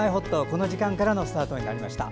この時間からのスタートになりました。